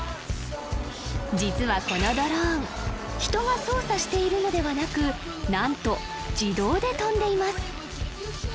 実はこのドローン人が操作しているのではなくなんと自動で飛んでいます